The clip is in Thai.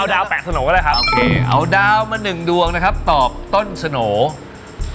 ดาวแปดสโหน่ก็ได้ครับโอเคเอาดาวมาหนึ่งดวงนะครับตอบต้นสโหน่